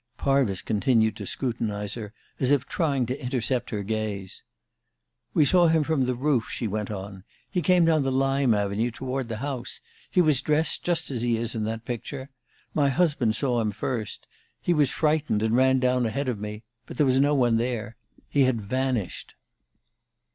Parvis continued to scrutinize her, as if trying to intercept her gaze. "We saw him from the roof," she went on. "He came down the lime avenue toward the house. He was dressed just as he is in that picture. My husband saw him first. He was frightened, and ran down ahead of me; but there was no one there. He had vanished."